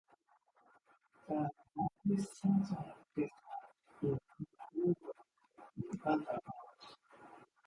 The "Natysashastra" text has been influential in other arts.